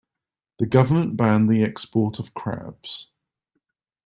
The government banned the export of crabs.